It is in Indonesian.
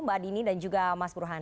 mbak dini dan juga mas burhan